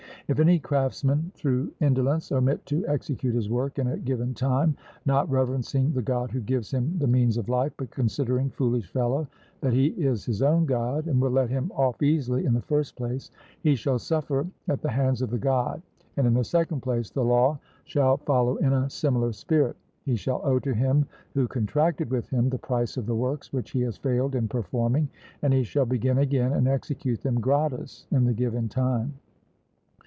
If any craftsman through indolence omit to execute his work in a given time, not reverencing the God who gives him the means of life, but considering, foolish fellow, that he is his own God and will let him off easily, in the first place, he shall suffer at the hands of the God, and in the second place, the law shall follow in a similar spirit. He shall owe to him who contracted with him the price of the works which he has failed in performing, and he shall begin again and execute them gratis in the given time.